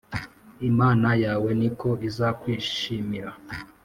imana yawe ni ko izakwishimira.